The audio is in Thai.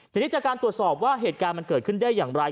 ทีนี้จากการตรวจสอบว่าเหตุการณ์มันเกิดขึ้นได้อย่างไร